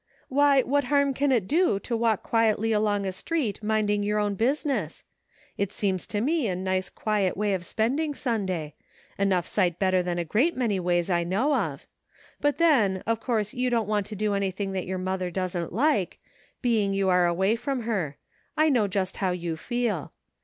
Why, what liarm can it do to walk quietly along a street minding your own business ? It seems to me a nice, quiet way of spending Sunday — enough sight better than a great many ways I know of — but then, of course you don't want to do anything that your mother doesn't like, being you are away from her; I know just how you feel.